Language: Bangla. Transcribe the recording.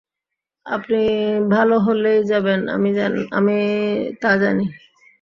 আপনি ভালহোলেই যাবেন, আমি তা জানি।